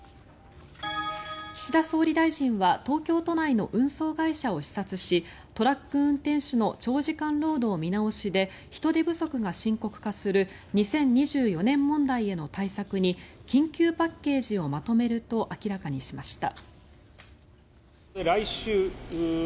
岸田総理大臣は東京都内の運送会社を視察しトラック運転手の長時間労働見直しで人手不足が深刻化する２０２４年問題への対策に緊急パッケージをまとめると明らかにしました。